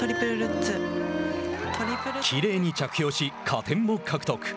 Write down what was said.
きれいに着氷し加点も獲得。